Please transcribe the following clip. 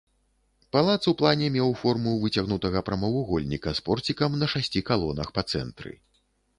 Палац у плане меў форму выцягнутага прамавугольніка з порцікам на шасці калонах па цэнтры.